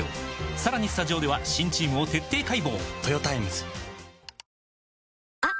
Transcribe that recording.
さらにスタジオでは新チームを徹底解剖！